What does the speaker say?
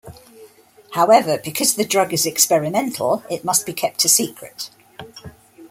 However, because the drug is experimental, it must be kept a secret.